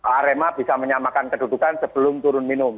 arema bisa menyamakan kedudukan sebelum turun minum